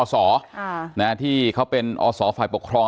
อ๋อเจ้าสีสุข่าวของสิ้นพอได้ด้วย